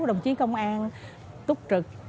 đồng chí công an túc trực